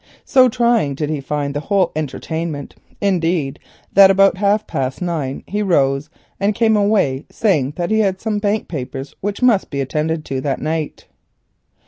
So trying did he find the whole entertainment indeed that about half past nine he rose and came away, saying that he had received some bank papers which must be attended to that night.